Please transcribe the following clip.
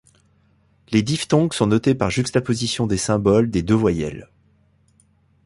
Les diphtongues sont notées par juxtaposition des symboles des deux voyelles.